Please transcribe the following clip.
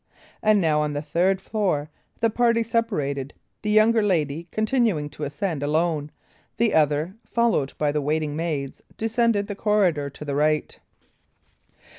And now, on the third floor, the party separated, the younger lady continuing to ascend alone, the other, followed by the waiting maids, descending the corridor to the right.